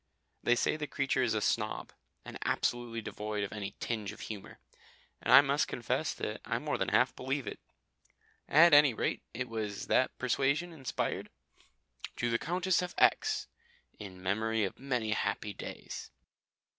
They say the creature is a snob, and absolutely devoid of any tinge of humour, and I must confess that I more than half believe it. At anyrate, it was that persuasion inspired To the Countess of X., In Memory of Many Happy Days.